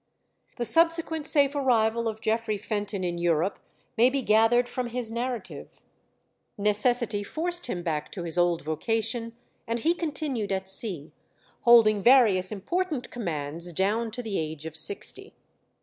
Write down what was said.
The subsequent safe arrival of Geoffrey Fenton in Europe may be gathered from his narrative. Necessity forced him back to his old vocation and he continued at sea, holding various important commands down to the age of sixty.